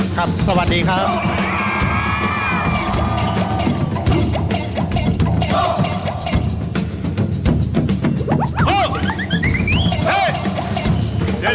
ครับสวัสดีครับ